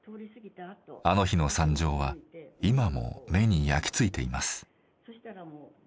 あの日の惨状は今も目に焼き付いています。